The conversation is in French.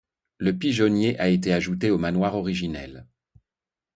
Le pigeonnier a été ajouté au manoir originel.